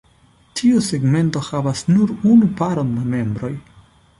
Ĉiu segmento havas nur unu paron da membroj.